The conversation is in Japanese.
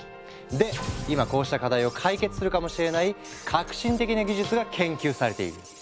で今こうした課題を解決するかもしれない革新的な技術が研究されている。